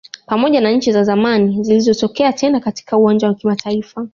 Pamoja na nchi za zamani zilizotokea tena katika uwanja wa kimataifa